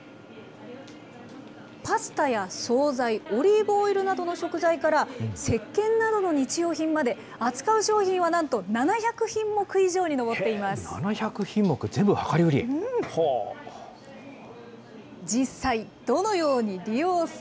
パスタや総菜、オリーブオイルなどの食材からせっけんなどの日用品まで、扱う商品はなんと７００品目以上に上っています。